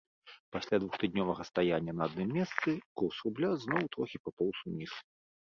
Пасля двухтыднёвага стаяння на адным месцы курс рубля зноў трохі папоўз уніз.